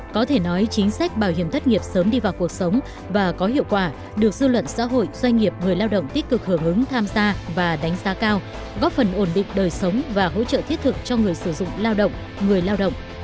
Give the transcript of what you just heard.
có thể nói chính sách bảo hiểm thất nghiệp sớm đi vào cuộc sống và có hiệu quả được dư luận xã hội doanh nghiệp người lao động tích cực hưởng ứng tham gia và đánh giá cao góp phần ổn định đời sống và hỗ trợ thiết thực cho người sử dụng lao động người lao động